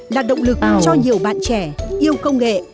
là động lực cho nhiều bạn trẻ yêu công nghệ